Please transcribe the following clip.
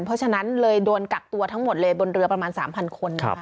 เพราะฉะนั้นเลยโดนกักตัวทั้งหมดเลยบนเรือประมาณ๓๐๐คน